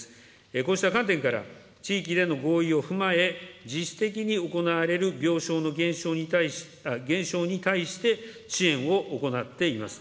こうした観点から地域での合意を踏まえ、実質的に行われる病床の減少に対して、支援を行っています。